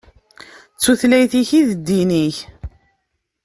D tutlayt-ik i d ddin-ik.